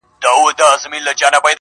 هم یې خزان هم یې بهار ښکلی دی٫